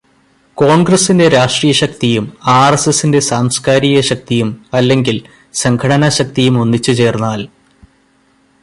കോണ്ഗ്രസിന്റെ രാഷ്ട്രീയശക്തിയും ആര്എസ്എസിന്റെ സാംസ്കാരികശക്തിയും അല്ലെങ്കിൽ സംഘടനാശക്തിയും ഒന്നിച്ചുചേര്ന്നാല്